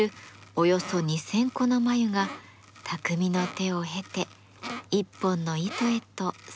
およそ２，０００個の繭が匠の手を経て一本の糸へと姿を変えます。